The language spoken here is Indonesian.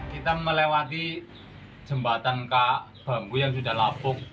kita melewati jembatan ke bangku yang sudah lapuk